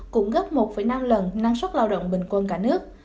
cũng gấp một năm lần năng suất lao động bình quân cả nước